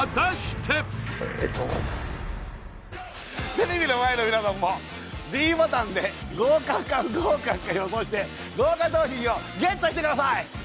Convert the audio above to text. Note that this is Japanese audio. テレビの前の皆さんもｄボタンで合格か不合格か予想して豪華賞品をＧＥＴしてください！